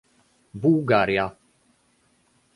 Bułgaria